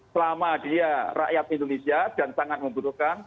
selama dia rakyat indonesia dan sangat membutuhkan